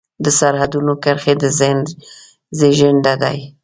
د سرحدونو کرښې د ذهن زېږنده دي.